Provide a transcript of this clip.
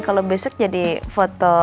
kalau besok jadi foto